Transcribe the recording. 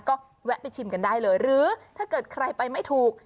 ก็แวะไปชิมกันได้เลยหรือถ้าเกิดใครไปไม่ถูก